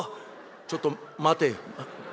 「ちょっと待てよ」。